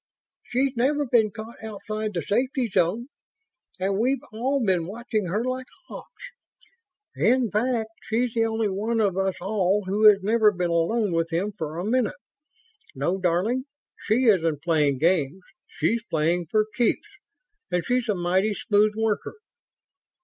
"She's never been caught outside the safety zone, and we've all been watching her like hawks. In fact, she's the only one of us all who has never been alone with him for a minute. No, darling, she isn't playing games. She's playing for keeps, and she's a mighty smooth worker."